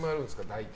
大体。